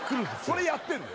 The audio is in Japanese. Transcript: それやってんの？